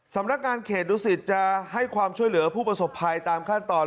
สำนักงานเขตดุสิตจะให้ความช่วยเหลือผู้ประสบภัยตามขั้นตอน